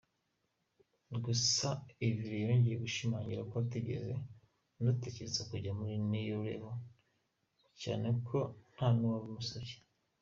gusa Yverry yongeye gushimangira ko atigeze anatekereza kujya muri New Level cyane ko ntanuwamusabye.